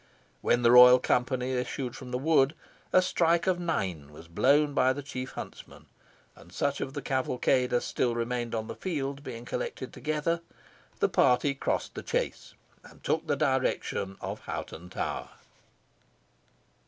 When the royal company issued from the wood a strike of nine was blown by the chief huntsman, and such of the cavalcade as still remained on the field being collected together, the party crossed the chase, and took the direction of Hoghton Tower.